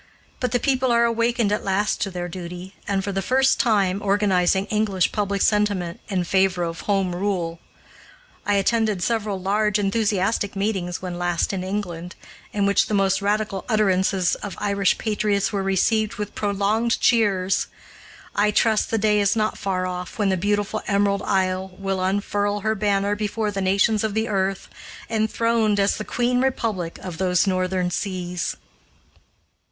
But the people are awakening at last to their duty, and, for the first time, organizing English public sentiment in favor of "Home Rule." I attended several large, enthusiastic meetings when last in England, in which the most radical utterances of Irish patriots were received with prolonged cheers. I trust the day is not far off when the beautiful Emerald Isle will unfurl her banner before the nations of the earth, enthroned as the Queen Republic of those northern seas!